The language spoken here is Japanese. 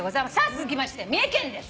続きまして三重県です。